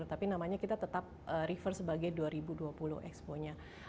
tapi namanya kita tetap reverse sebagai dua ribu dua puluh exponya